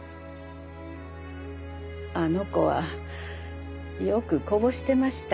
あの子はよくこぼしてました。